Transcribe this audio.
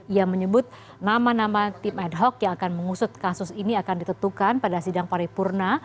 ia menyebut nama nama tim ad hoc yang akan mengusut kasus ini akan ditentukan pada sidang paripurna